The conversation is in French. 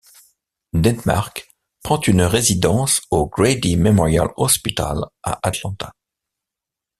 Denmark prend une résidence au Grady Memorial Hospital à Atlanta.